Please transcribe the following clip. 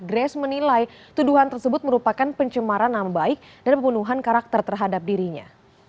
grace menilai tuduhan tersebut merupakan pencemaran nama baik dan pembunuhan karakter terhadap dirinya